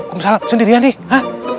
kamu salam sendirian nih hah